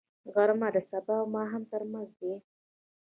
غرمه د سبا او ماښام ترمنځ دی